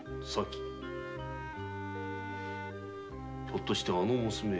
ひょっとしてあの娘？